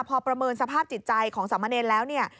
พอประเมินสภาพจิตใจของสามเณรแล้วเนี่ย